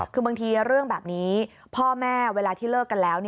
คือบางทีเรื่องแบบนี้พ่อแม่เวลาที่เลิกกันแล้ว